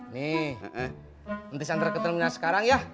nanti santra ketemu ya sekarang ya